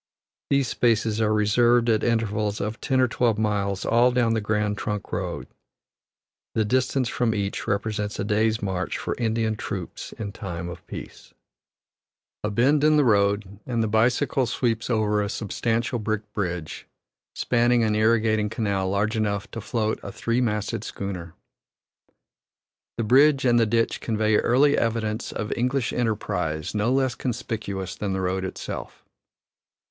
These spaces are reserved at intervals of ten or twelve miles all down the Grand Trunk Road; the distance from each represents a day's march for Indian troops in time of peace. A bend in the road, and the bicycle sweeps over a substantial brick bridge, spanning an irrigating canal large enough to float a three masted schooner. The bridge and the ditch convey early evidence of English enterprise no less conspicuous than the road itself.